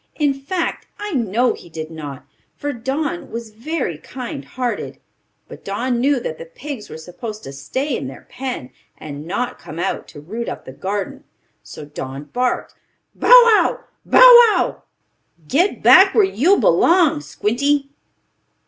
In fact I know he did not, for Don was very kind hearted. But Don knew that the pigs were supposed to stay in their pen, and not come out to root up the garden. So Don barked: "Bow wow! Bow wow! Get back where you belong, Squinty."